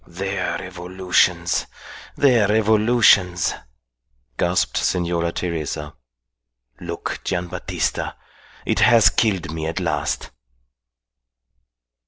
"Their revolutions, their revolutions," gasped Senora Teresa. "Look, Gian' Battista, it has killed me at last!"